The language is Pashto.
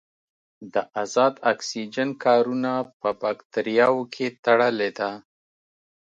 د ازاد اکسیجن کارونه په باکتریاوو کې تړلې ده.